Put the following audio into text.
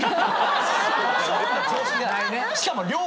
しかも。